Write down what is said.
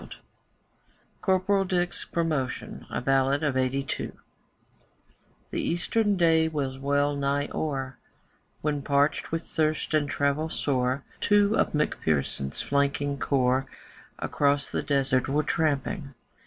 CORPORAL DICK'S PROMOTION A BALLAD OF '82 The Eastern day was well nigh o'er When, parched with thirst and travel sore, Two of McPherson's flanking corps Across the Desert were tramping.